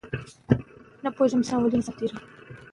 لوستې میندې د ماشومانو د بدن پاک ساتلو هڅه کوي.